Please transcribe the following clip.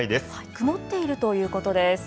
曇っているということです。